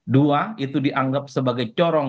dua itu dianggap sebagai corong